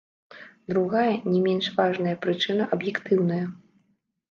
Другая, не менш важная, прычына аб'ектыўная.